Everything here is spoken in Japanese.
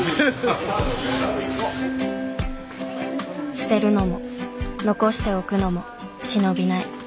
捨てるのも残しておくのも忍びない。